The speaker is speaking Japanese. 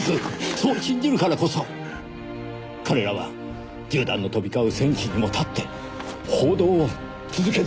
そう信じるからこそ彼らは銃弾の飛び交う戦地にも立って報道を続けてるんです。